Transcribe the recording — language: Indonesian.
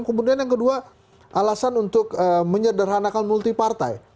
kemudian yang kedua alasan untuk menyederhanakan multi partai